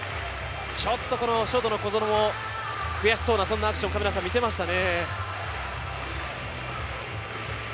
ショートの小園も悔しそうなアクションを見せましたね。